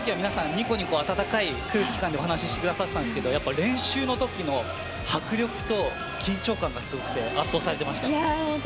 ニコニコ温かい空気感でお話ししてくださってたんですけど練習の時の迫力と緊張感がすごくて圧倒されていました。